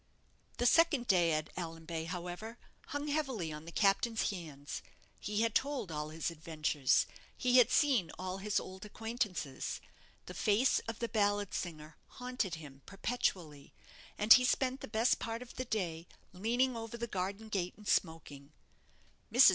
The second day at Allanbay, however, hung heavily on the captain's hands. He had told all his adventures; he had seen all his old acquaintances. The face of the ballad singer haunted him perpetually; and he spent the best part of the day leaning over the garden gate and smoking. Mrs.